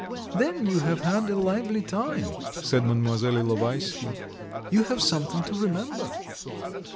"Then you have had a lively time," said Mlle. Ilovaisky; "you have something to remember."